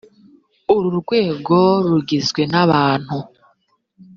uru rwego rugizwe n abantu